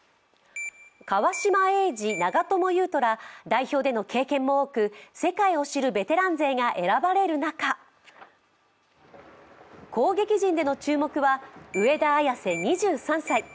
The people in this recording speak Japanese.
川島永嗣、長友佑都ら代表での経験も多く世界を知るベテラン勢が選ばれる中、攻撃陣での注目は、上田綺世２３歳。